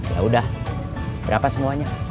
yaudah berapa semuanya